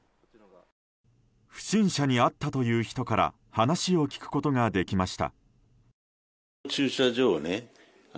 不審者に会ったという人から話を聞くことができました。